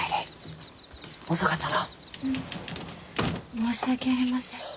申し訳ありません。